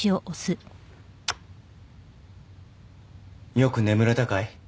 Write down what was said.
よく眠れたかい？